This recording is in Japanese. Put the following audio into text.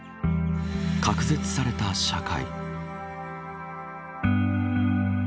隔絶された社会。